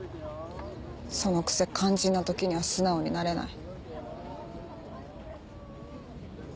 そのくせ肝心なときには素直になれない。